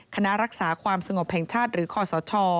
คณะรักษาความสงบแห่งชาติหรือคอสช